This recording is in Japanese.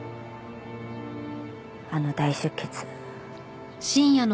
あの大出血。